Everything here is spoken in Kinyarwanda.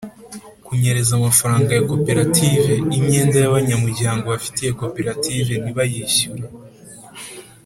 kunyereza amafaranga ya koperative, imyenda abanyamuryango bafitiye koperative ntibayishyure.